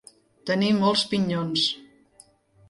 Tenir molts pinyons.